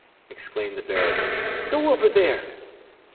exclaimed the Baron. "Go over there!"